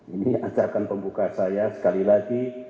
ini ajakan pembuka saya sekali lagi